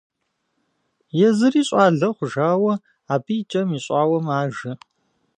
Езыри, щӏалэ хъужауэ, абы и кӏэм ищӏауэ мажэ.